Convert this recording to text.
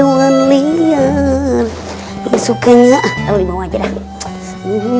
kenal suaranya mah